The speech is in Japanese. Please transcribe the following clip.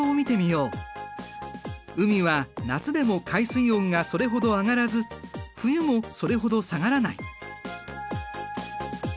海は夏でも海水温がそれほど上がらず冬もそれほど下がらない。